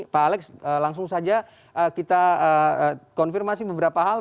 pak alex langsung saja kita konfirmasi beberapa hal